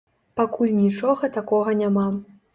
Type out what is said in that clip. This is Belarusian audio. Пакуль нічога такога няма.